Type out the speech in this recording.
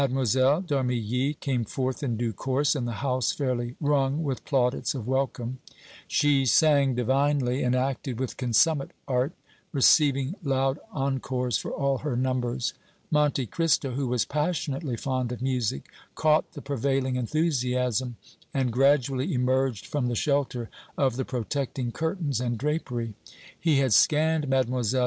Mlle. d' Armilly came forth in due course, and the house fairly rung with plaudits of welcome. She sang divinely and acted with consummate art, receiving loud encores for all her numbers. Monte Cristo who was passionately fond of music, caught the prevailing enthusiasm and gradually emerged from the shelter of the protecting curtains and drapery. He had scanned Mlle.